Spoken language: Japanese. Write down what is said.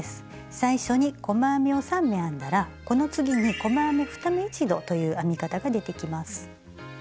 最初に細編みを３目編んだらこの次に「細編み２目一度」という編み方が出てきます。